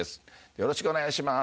よろしくお願いします